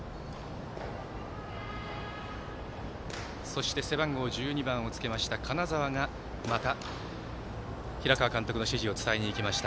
そして、背番号１２番をつけました金澤がまた、平川監督の指示を伝えに行きました。